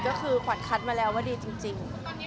ก็คือขวัญคัดมาแล้วว่าดีจริง